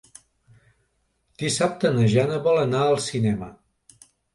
Dissabte na Jana vol anar al cinema.